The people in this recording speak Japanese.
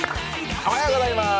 おはようございます。